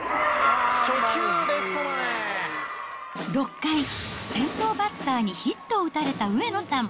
６回、先頭バッターにヒットを打たれた上野さん。